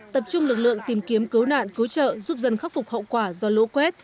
tập trung lực lượng tìm kiếm cứu nạn cứu trợ giúp dân khắc phục hậu quả do lũ quét